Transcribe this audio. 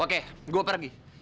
oke aku pergi